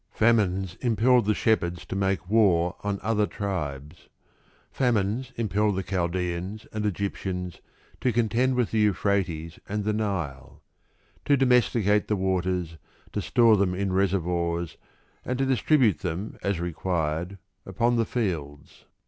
Famines impelled the shepherds to make war on other tribes; famines impelled the Chaldeans and Egyptians to contend with the Euphrates and the Nile, to domesticate the waters, to store them in reservoirs, and to distribute them, as required, upon the fields.